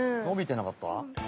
伸びてなかった？